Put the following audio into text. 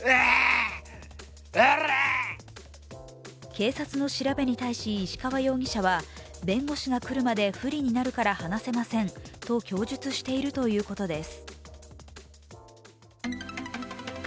警察の調べに対し石川容疑者は弁護士が来るまで不利になるから話せませんと供述しているということです。